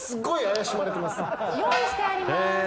用意してあります。